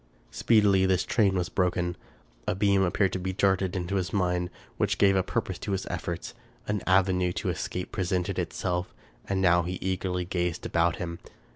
Speedily this train was broken. A beam appeared to be darted into his mind which gave a purpose to his efforts. An avenue to escape presented itself ; and now he eagerly gazed about him.